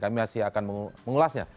kami masih akan mengulasnya